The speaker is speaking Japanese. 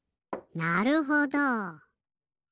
なるほど。